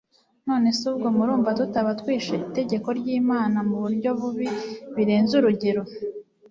nonese ubwo, murumva tutaba twishe itegeko ry'imana mu buryo bubi birenze urugero